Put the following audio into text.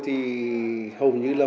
thì hầu như là